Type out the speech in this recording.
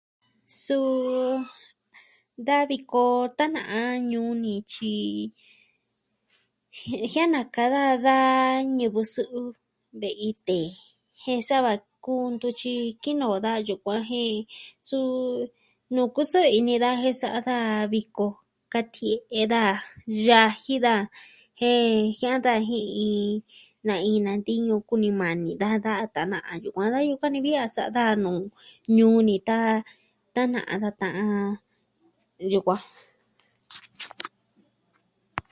Suu, da viko tana'an ñuu ni tyi ji... jiaa naka daa da ñivɨ sɨ'ɨ, ve'i tee, jen sava kuu ntu tyi kinoo daa yukuan jen, nuu kusɨɨ ini daa jen sa'a daa viko, katie'e daa, yaji daa, jen jiaan ta ji'i, na'i nantiñu kunimani daa da tana'an yukuan, da yukuan ni vi a sa'a da nuu. Ñuu ni tan tana'a da ta'an yukuan.